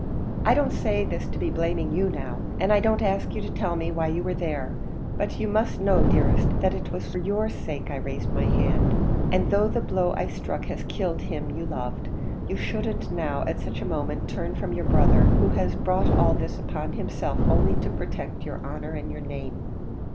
I don't say this to be blaming you now, and I don't ask you to tell me why you were there; but you must know, dearest, that it was for your sake I raised my hand; and though the blow I struck has killed him you loved, you shouldn't now at such a moment turn from your brother, who has brought all this upon himself only to protect your honer and your name."